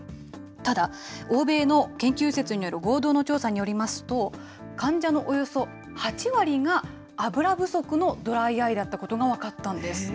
ただ、欧米の研究施設による合同の調査によりますと、患者のおよそ８割が油不足のドライアイだったことが分かったんです。